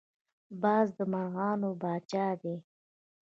باز د مرغانو پاچا دی